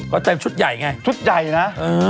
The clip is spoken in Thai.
ก็เต็มชุดใหญ่ไงชุดใหญ่นะ